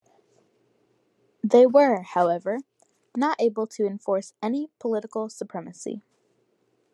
They were, however, not able to enforce any political supremamcy.